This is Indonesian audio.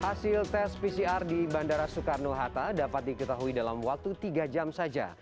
hasil tes pcr di bandara soekarno hatta dapat diketahui dalam waktu tiga jam saja